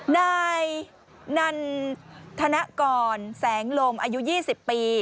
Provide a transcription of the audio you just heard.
นายนันธนกรแสงลมอายุ๒๐ปี